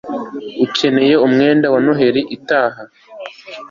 ukeneye umwenda wa noheli itaha